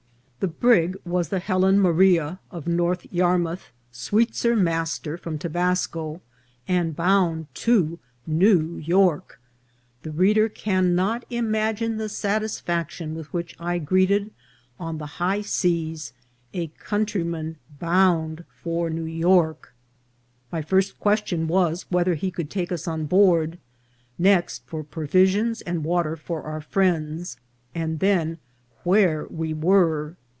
The brig was the Helen Maria, of North Yarmouth, Sweetzer, master, from Tobasco, and bound to New York ! The reader cannot imagine the satis faction with which I greeted on the high seas a coun tryman bound for New York. My first question was whether he could take us on board, next for provisions and water for our friends, and then where we were.